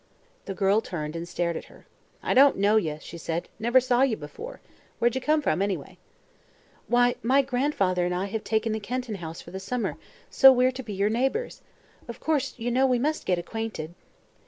The girl turned and stared at her. "I don't know ye," said she. "Never saw ye before. Where'd ye come from anyway?" "Why, my grandfather and I have taken the Kenton house for the summer, so we're to be your neighbors. Of course, you know, we must get acquainted."